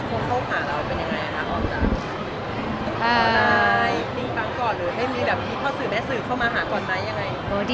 ได้ทั้งก่อนหรือได้ภาษาสื่อแม่สื่อเข้ามาหาก่อนไหม